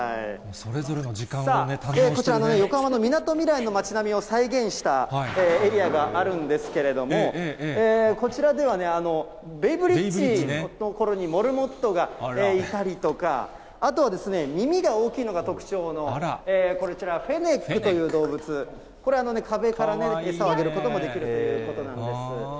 それぞれの時間を堪能してるこちらの横浜のみなとみらいの町並みを再現したエリアがあるんですけれども、こちらではね、ベイブリッジの所にモルモットがいたりとか、あとは耳が大きいのが特徴のこちら、フェネックという動物、これ、壁から餌をあげることもできるということなんです。